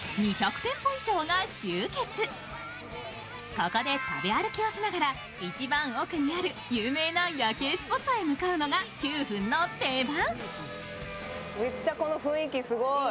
ここで食べ歩きをしながら一番奥にある有名な夜景スポットへ向かうのが九フンの定番。